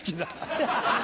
アハハハ！